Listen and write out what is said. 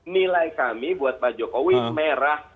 nilai kami buat pak jokowi merah